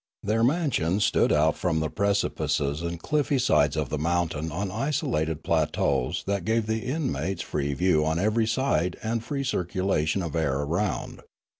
Their mansions stood out from the precipices and cliffy sides of the mountain on isolated plateaus that gave the inmates free view on every side and free circula tion of air around.